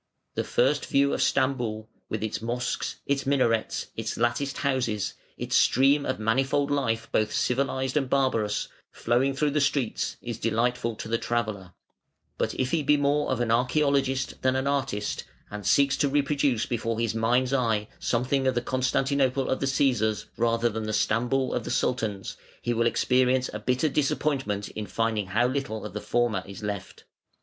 The first view of Stamboul, with its mosques, its minarets, its latticed houses, its stream of manifold life both civilised and barbarous, flowing through the streets, is delightful to the traveller; but if he be more of an archaeologist than an artist, and seeks to reproduce before his mind's eye something of the Constantinople of the Cæsars rather than the Stamboul of the Sultans, he will experience a bitter disappointment in finding how little of the former is left.